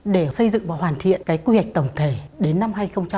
để xây dựng và hoàn thiện quy hoạch tổng thể đến năm hai nghìn ba mươi